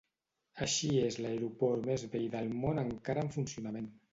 Així és l'aeroport més vell del món encara en funcionament.